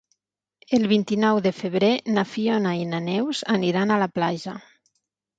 El vint-i-nou de febrer na Fiona i na Neus aniran a la platja.